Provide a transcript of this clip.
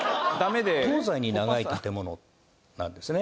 東西に長い建物なんですね。